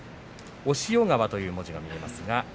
押尾川という文字が見えます。